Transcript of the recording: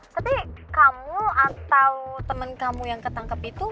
tapi kamu atau temen kamu yang ketangkep itu